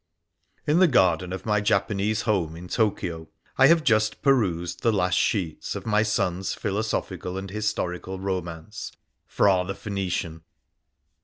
In the garden of my Japanese home in Tokyo I have jus^ perused the last sheets of my son's philosophical and historical romance ' Phra the Phoenician.'